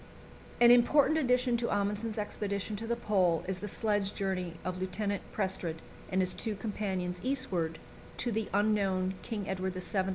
An important addition to Amundsen's expedition to the Pole is the sledge journey of Lieutenant Prestrud and his two companions eastward to the unknown King Edward VII.